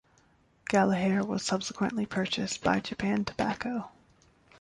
Gallaher was subsequently purchased by Japan Tobacco.